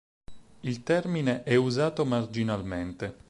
Il termine è usato marginalmente.